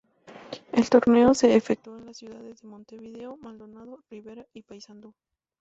El torneo se efectuó en las ciudades de Montevideo, Maldonado, Rivera y Paysandú.